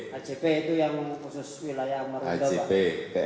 kjp itu yang khusus wilayah marunda pak